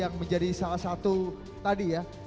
yang menjadi salah satu tadi ya